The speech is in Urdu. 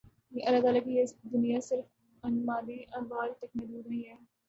لیکن اللہ تعالیٰ کی یہ دنیا صرف ان مادی احوال تک محدود نہیں ہے